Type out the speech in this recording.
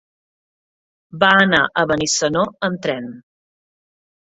Va anar a Benissanó amb tren.